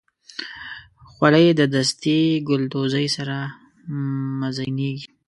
خولۍ د دستي ګلدوزۍ سره مزینېږي.